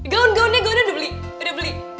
gaun gaunnya udah beli